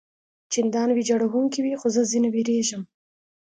چندان ویجاړوونکي وي، خو زه ځنې وېرېږم.